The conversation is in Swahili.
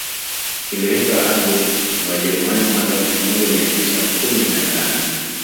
Ililetwa hapo na Wajerumani mwaka elfu moja mia tisa kumi na tano